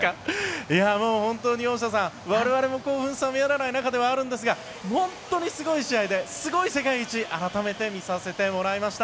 本当に大下さん我々も興奮冷めやらない中ではあるんですが本当にすごい試合ですごい世界一改めて見させてもらいました。